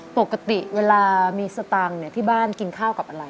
ปกติเวลามีสตางค์ที่บ้านกินข้าวกับอะไร